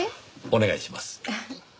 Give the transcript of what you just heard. お願いします。